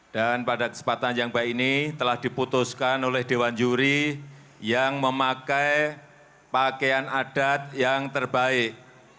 dan pada kesempatan yang baik ini telah diputuskan oleh dewan juri yang memakai pakaian adat yang terbaik